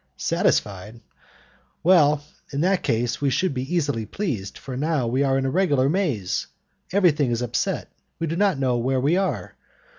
"Satisfied? Well, in that case, we should be easily pleased, for we are now in a regular maze. Everything is upset, we do not know where we are.